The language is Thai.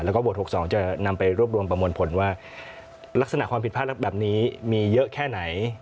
แล้วก็โหวต๖๒จะนำไปรวบรวมประมวลผลว่าลักษณะความผิดพลาดแบบนี้มีเยอะแค่ไหน